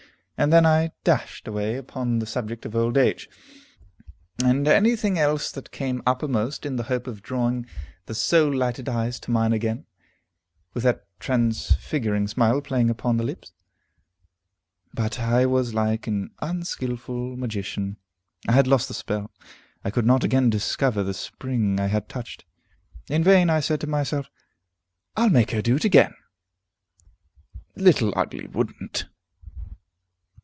And then I dashed away upon the subject of old age, and any thing else that came uppermost, in the hope of drawing the soul lighted eyes to mine again, with that transfiguring smile playing upon the lips. But I was like an unskilful magician; I had lost the spell; I could not again discover the spring I had touched. In vain I said to myself, "I'll make her do it again!" Little Ugly would'nt!